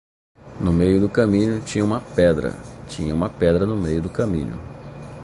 No meio do caminho tinha uma pedra, tinha uma pedra no meio do caminho.